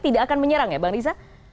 tidak akan menyerang ya bang riza